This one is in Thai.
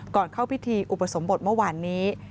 เข้าพิธีอุปสมบทเมื่อวานนี้